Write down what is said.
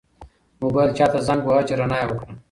موبایل چا ته زنګ واهه چې رڼا یې وکړه؟